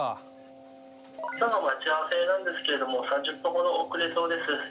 今日の待ち合わせなんですけれども３０分ほど遅れそうです。